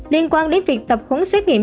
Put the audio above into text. liên quan đến việc tập húng xét nghiệm